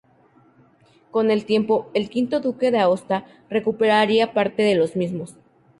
Con el tiempo el V duque de Aosta recuperaría parte de los mismos.